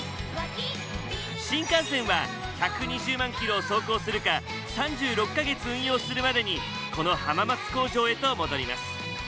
新幹線は１２０万キロを走行するか３６か月運用するまでにこの浜松工場へと戻ります。